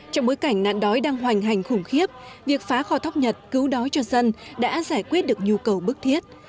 trong bối cảnh nạn đói đang hoành hành khủng khiếp việc phá kho thóc nhật cứu đói cho dân đã giải quyết được nhu cầu bức thiết